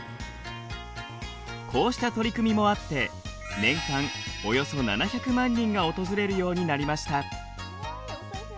こうした取り組みもあって年間およそ７００万人が訪れるようになりました。